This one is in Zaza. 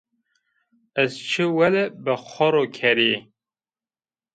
Ez çi wele be xo ro kerî?